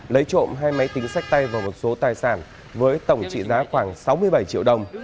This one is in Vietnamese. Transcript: lấy trộm hai máy tính sách tay và một số tài sản với tổng trị giá khoảng sáu mươi bảy triệu đồng